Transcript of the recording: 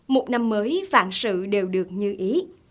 một năm mới vạn sự đều được như ý